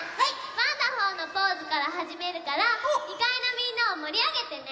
ワンダホーのポーズからはじめるから２かいのみんなをもりあげてね！